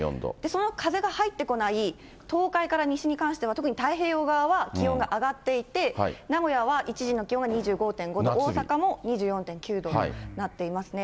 その風が入ってこない東海から西に関しては、特に太平洋側は気温が上がっていて、名古屋は１時の気温が２５．５度、大阪も２４．９度になっていますね。